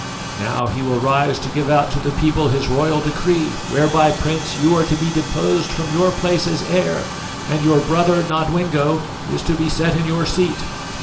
"Now he will rise to give out to the people his royal decree, whereby, Prince, you are to be deposed from your place as heir, and your brother, Nodwengo, is to be set in your seat.